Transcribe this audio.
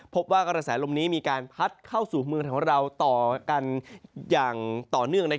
พบว่ากระแสลมนี้มีการพัดเข้าสู่เมืองของเราต่อกันอย่างต่อเนื่อง